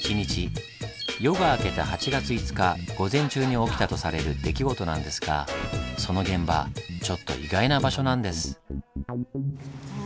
夜が明けた８月５日午前中に起きたとされる出来事なんですがその現場ちょっと意外な場所なんです。